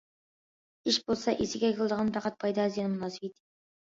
ئىش بولسا ئېسىگە كېلىدىغان پەقەت پايدا زىيان مۇناسىۋىتى.